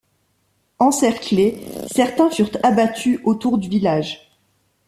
Encerclés, certains furent abattus autour du village.